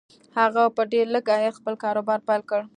هغه په ډېر لږ عايد خپل کاروبار پيل کړ.